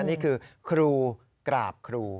นี่คือครูกราบครู